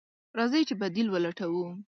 راځئ چې بديل ولټوو.